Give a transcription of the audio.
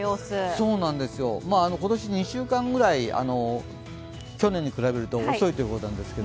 そうなんですよ、今年２週間ぐらい、去年に比べると遅いということですが。